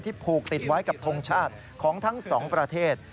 ผูกติดไว้กับทงชาติของทั้งสองประเทศ